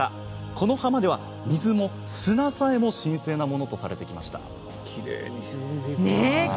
この浜では、水も砂さえも神聖なものとされてきました。